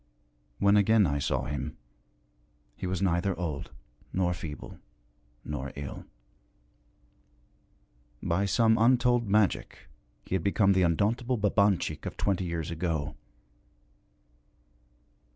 When again I saw him he was neither old nor feeble nor ill. By some untold magic he had become the undauntable Babanchik of twenty years ago.